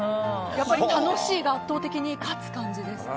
やっぱり、楽しいが圧倒的に勝つ感じですか。